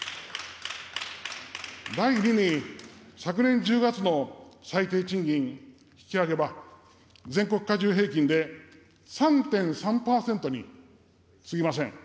第２に、昨年１０月の最低賃金引き上げは、全国加重平均で３．３％にすぎません。